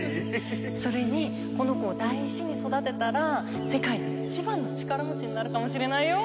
それにこの子を大事に育てたら世界で一番の力持ちになるかもしれないよ。